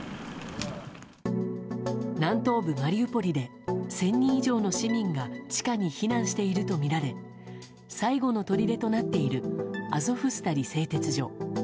南東部マリウポリで１０００人以上の市民が地下に避難しているとみられ最後のとりでとなっているアゾフスタリ製鉄所。